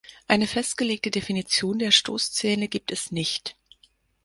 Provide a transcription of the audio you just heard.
Eine festgelegte Definition der Stoßzähne gibt es nicht.